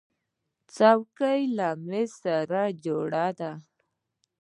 چوکۍ له مېز سره جوړه ده.